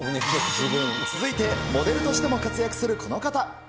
続いてモデルとしても活躍するこの方。